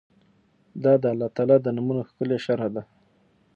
دا د الله تعالی د نومونو ښکلي شرح ده